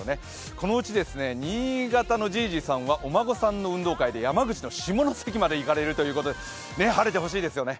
このうち新潟のじぃじさんはお孫さんの運動会で山口の下関までいかれるということで晴れてほしいですよね。